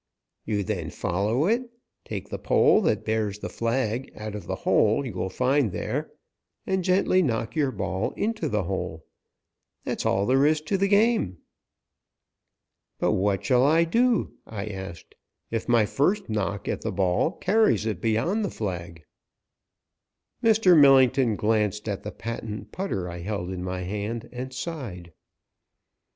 You then follow it, take the pole that bears the flag out of the hole you will find there, and gently knock your ball into the hole. That is all there is to the game." "But what shall I do," I asked, "if my first knock at the ball carries it beyond the flag?" Mr. Millington glanced at the patent putter I held in my hand, and sighed.